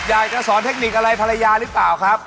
อยากจะสอนเทคนิคอะไรภรรยาหรือเปล่าครับ